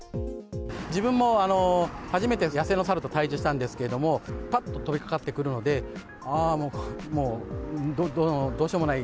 自分も初めて野生のサルと対じしたんですけれども、ぱっと飛びかかってくるので、ああ、もう、どうしようもない。